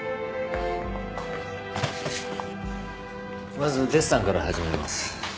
まずデッサンから始めます。